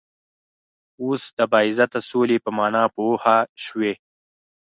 وس د باعزته سولی په معنا پوهه شوئ